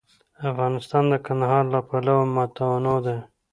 افغانستان د کندهار له پلوه متنوع دی.